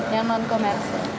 yang non komersial